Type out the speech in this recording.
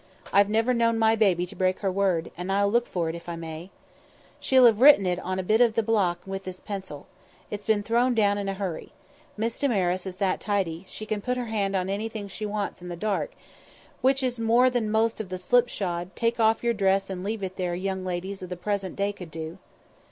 I've never known my baby to break her word, and I'll look for it, if I may. She'll have written it on a bit of this block and with this pencil. It's been thrown down in a hurry. Miss Damaris is that tidy, she can put her hand on anything she wants in the dark, which is more than most of the slipshod, take off your dress and leave it there young ladies of the present day could do."